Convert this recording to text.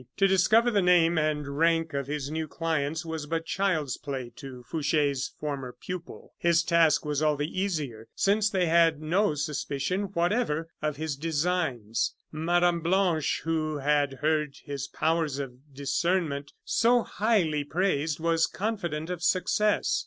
To discover the name and rank of his new clients was but child's play to Fouche's former pupil. His task was all the easier since they had no suspicion whatever of his designs. Mme. Blanche, who had heard his powers of discernment so highly praised, was confident of success.